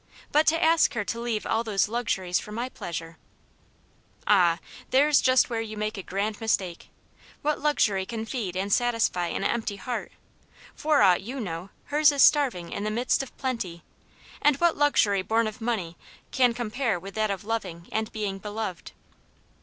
But to ask her to leave all those luxuries for my pleasure I "" Ah ! there*s just where you make a grand mis take. What luxury can feed and satisfy an empty heart ? For aught you know, hers is starving in the midst of plenty. And what luxury born of money can compare with that of loving and being beloved